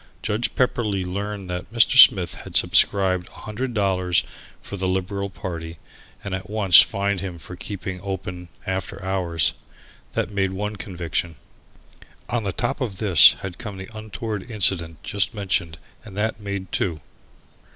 Judge Pepperleigh learned that Mr. Smith had subscribed a hundred dollars for the Liberal party and at once fined him for keeping open after hours. That made one conviction. On the top of this had come the untoward incident just mentioned and that made two.